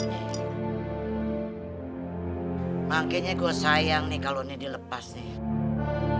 ini cincin nih kebanyakan tuh ya ibu haji yang kagak mau beli emas dan cincin ini gue yang ambil tuh cakep banget tuh